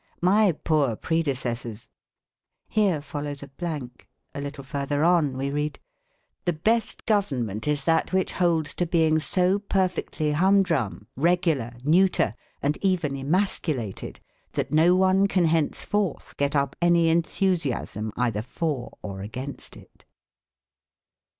My poor predecessors." ... Here follows a blank; a little further on, we read: "The best government is that which holds to being so perfectly humdrum, regular, neuter, and even emasculated, that no one can henceforth get up any enthusiasm either for or against it."